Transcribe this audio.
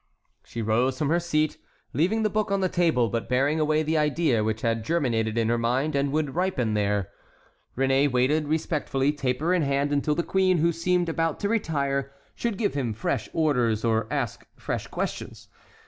She rose from her seat, leaving the book on the table, but bearing away the idea which had germinated in her mind and would ripen there. Réné waited respectfully, taper in hand, until the queen, who seemed about to retire, should give him fresh orders or ask fresh questions.